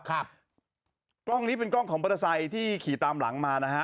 กล้องนี้เป็นกล้องของมอเตอร์ไซค์ที่ขี่ตามหลังมานะฮะ